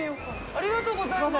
ありがとうございます。